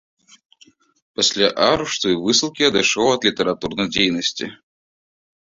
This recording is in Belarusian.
Пасля арышту і высылкі адышоў ад літаратурнай дзейнасці.